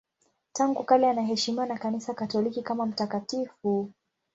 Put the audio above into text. Tangu kale anaheshimiwa na Kanisa Katoliki kama mtakatifu.